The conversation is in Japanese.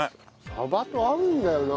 サバと合うんだよな。